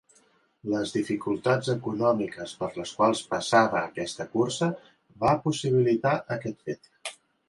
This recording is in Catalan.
Les dificultats econòmiques per les quals passava aquesta cursa va possibilitar aquest fet.